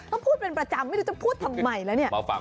ต้องพูดเป็นประจำไม่รู้จะพูดทำไมแล้ว